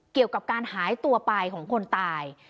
เกี่ยวกับการหายตัวไปของคนตาย